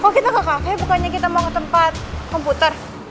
oh kita ke kakek bukannya kita mau ke tempat komputer